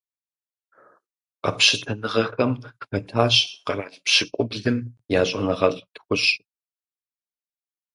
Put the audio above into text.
Къэпщытэныгъэхэм хэтащ къэрал пщыкӏублым я щӀэныгъэлӀ тхущӏ.